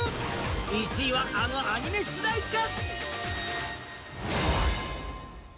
１位はあのアニメ主題歌。